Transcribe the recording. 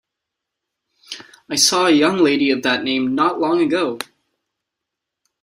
I saw a young lady of that name not long ago.